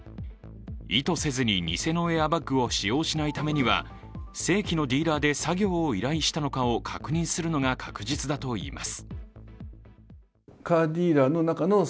意図せずに偽のエアバッグを使用しないためには正規のディーラーで作業を依頼したのかを確認するのが確実だといいます。